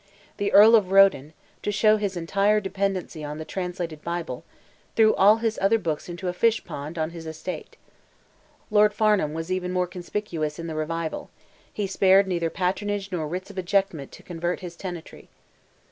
The Earl of Roden—to show his entire dependence on the translated Bible—threw all his other books into a fish pond on his estate. Lord Farnham was even more conspicuous in the revival; he spared neither patronage nor writs of ejectment to convert his tenantry.